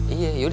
iya yuk deh